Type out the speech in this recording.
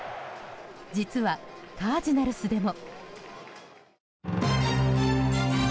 実はカージナルスでも。